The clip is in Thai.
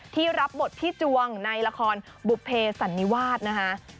รับบทพี่จวงในละครบุภเพสันนิวาสนะคะ